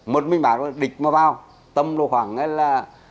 một mình bảo địch mà vào tầm lúc khoảng là